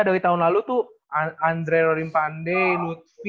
dari tahun lalu tuh andre rorimpande lutfi